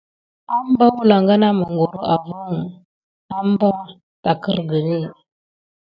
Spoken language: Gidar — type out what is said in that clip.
Apànha hofŋu wulanga na mangoro aka de békiguni.